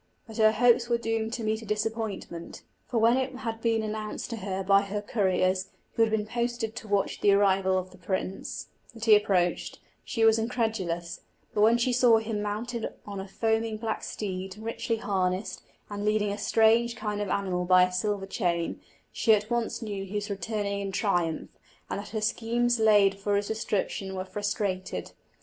But her hopes were doomed to meet a disappointment, for when it had been announced to her by her couriers, who had been posted to watch the arrival of the prince, that he approached, she was incredulous; but when she saw him mounted on a foaming black steed, richly harnessed, and leading a strange kind of animal by a silver chain, she at once knew he was returning in triumph, and that her schemes laid for his destruction were frustrated.